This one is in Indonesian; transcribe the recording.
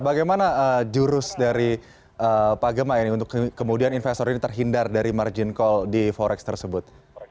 bagaimana jurus dari pak gemma ini untuk kemudian investor ini terhindar dari margin call di forex tersebut